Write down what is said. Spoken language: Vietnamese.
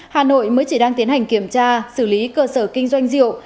hà nội mới chỉ đang tiến hành kiểm tra xử lý cơ sở kinh doanh rượu